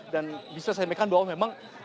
dan bisa saya mengatakan bahwa memang